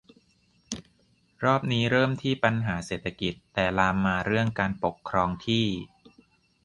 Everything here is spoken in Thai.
รอบนี้เริ่มที่ปัญหาเศรษฐกิจ แต่ลามมาเรื่องการปกครองที่